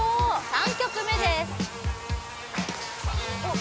３曲目ですえっ